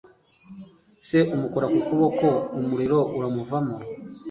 Se amukora ku kuboko, umuriro uramuvamo.